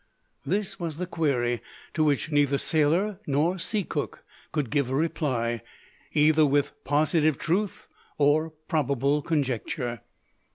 This was the query to which neither sailor nor sea cook could give a reply, either with positive truth or probable conjecture.